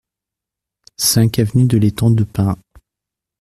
cinq avenue de l'Étang de Pin